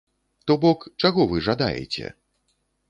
То бок, чаго вы жадаеце?